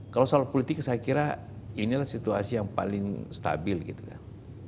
kalau soal politik saya kira inilah situasi yang paling stabil gitu kan